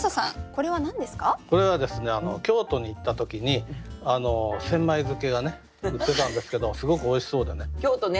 これはですね京都に行った時に千枚漬けが売ってたんですけどすごくおいしそうでね。